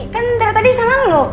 kan tadi sama lo